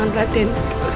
atas pertolongan raden